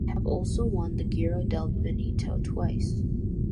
They have also won the Giro del Veneto twice.